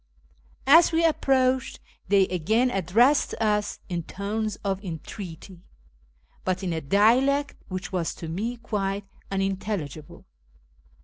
As we approached, they again addressed us in tones of entreaty, but in a dialect which was to me quite unintelligible.